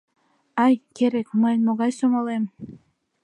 Ай, керек, мыйын могай сомылем!